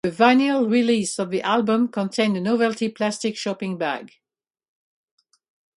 The vinyl release of the album contained a novelty plastic shopping bag.